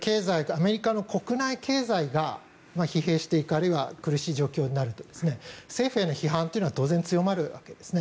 アメリカの国内経済が疲弊していくあるいは苦しい状況になると政府への批判というのは当然強まるわけですね。